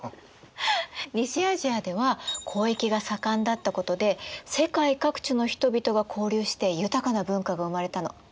西アジアでは交易が盛んだったことで世界各地の人々が交流して豊かな文化が生まれたの。